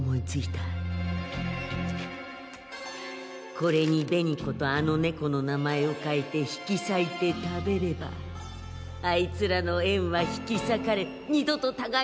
これに紅子とあの猫の名前を書いて引きさいて食べればあいつらの縁は引きさかれ二度とたがいの姿も見えなくなる。